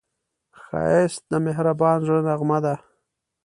ښایست د مهربان زړه نغمه ده